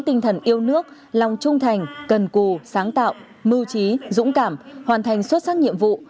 tinh thần yêu nước lòng trung thành cần cù sáng tạo mưu trí dũng cảm hoàn thành xuất sắc nhiệm vụ